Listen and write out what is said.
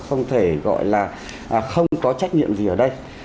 không thể gọi là không có trách nhiệm gì ở đây